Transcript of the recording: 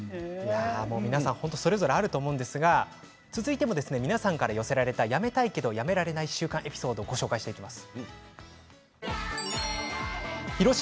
それぞれあると思いますが皆さんから寄せられたやめたいけどやめられない習慣エピソードをご紹介します。